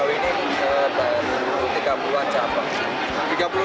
ini baru tiga puluh an capok sih